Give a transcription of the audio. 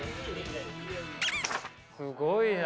すごいな。